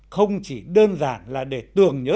không chỉ đơn giản là để tường nhớ